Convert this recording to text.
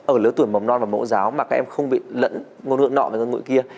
ở lứa tuổi mầm non và mẫu giáo mà các em không bị lẫn ngôn luận nọ với ngôn ngữ kia